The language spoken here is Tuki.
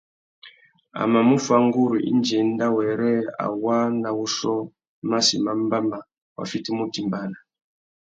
A mà mú fá nguru indi enda wêrê a waā nà wuchiô massi mà mbáma wa fitimú utimbāna.